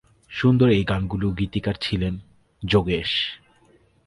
সুন্দর এই গানগুলোর গীতিকার ছিলেন যোগেশ।